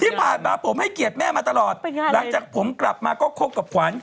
ที่ผ่านมาผมให้เกียรติแม่มาตลอดหลังจากผมกลับมาก็คบกับขวัญ